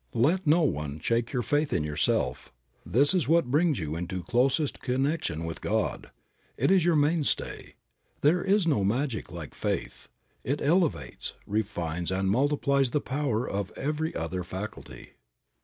Let no one shake your faith in yourself. That is what brings you into closest connection with God. It is your mainstay. There is no magic like faith; it elevates, refines and multiplies the power of every other faculty.